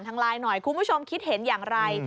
ทางไลน์หน่อยคุณผู้ชมคิดเห็นอย่างไร